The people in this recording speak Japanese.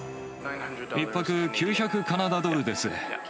１泊９００カナダドルです。